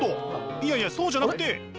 いやいやそうじゃなくて。